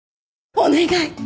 お願い！